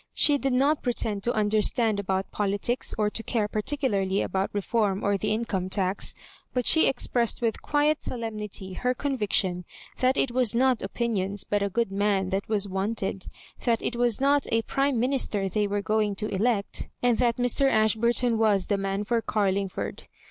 She did not pretend to understand about politics, or to care particularly about Beform or the Income tax ; but she expressed with quiet solemnity her convic tion that it was not opinions but a good man that was wanted ; that it was not a prime minis ter they were going to elect, and that Mr. Ash burton was the man for Carlingford.